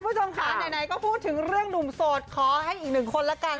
คุณผู้ชมค่ะไหนก็พูดถึงเรื่องหนุ่มโสดขอให้อีกหนึ่งคนละกัน